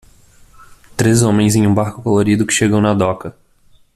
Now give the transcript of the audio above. Três homens em um barco colorido que chegam na doca.